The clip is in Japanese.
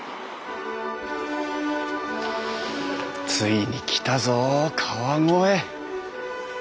ついに来たぞ川越！